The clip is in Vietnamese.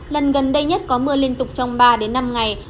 lần gần đây nhất có mưa liên tục trong ba đến năm ngày